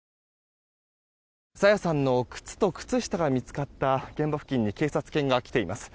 朝芽さんの靴と靴下が見つかった現場付近に警察犬が来ています。